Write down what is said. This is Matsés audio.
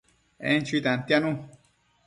En chui tantianu